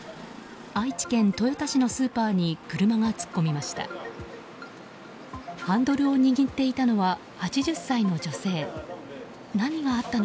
愛知県豊田市のスーパーに車が突っ込みました。